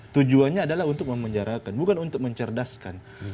tujuannya adalah untuk memenjarakan bukan untuk mencerdaskan